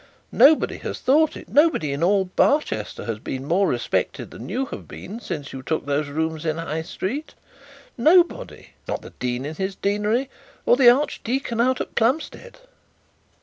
Nobody has thought it; nobody in all Barchester has been more respected than you have been since you took those rooms in High Street. Nobody! Not the dean in his deanery, or the archdeacon at Plumstead.'